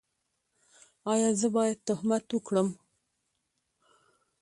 ایا زه باید تهمت وکړم؟